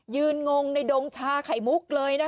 ยืนงงในดงชาไข่มุกเลย